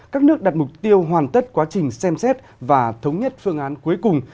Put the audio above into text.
các nước đặt mục tiêu hoàn tất quá trình xem xét và thống nhất phương án cuối cùng